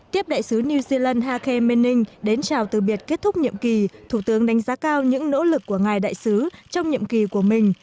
tiếp đại sứ new zealand hake mening đến chào từ biệt kết thúc nhiệm kỳ thủ tướng đánh giá cao những nỗ lực của ngài đại sứ trong nhiệm kỳ của mình